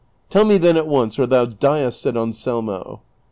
" Tell me then at once or thou diest," said Anselmo.